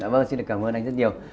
vâng xin cảm ơn anh rất nhiều